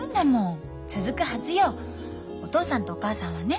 お父さんとお母さんはね